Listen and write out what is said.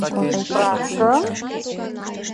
Справкым?!